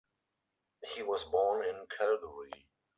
He was born in Calgary.